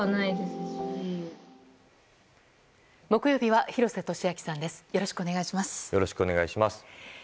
よろしくお願いします。